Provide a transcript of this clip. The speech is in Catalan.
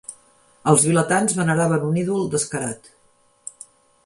Els vilatans veneraven un ídol descarat